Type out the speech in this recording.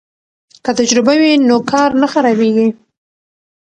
که تجربه وي نو کار نه خرابېږي.